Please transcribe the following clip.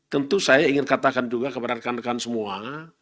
tentu saya ingin katakan juga kepada rekan rekan semua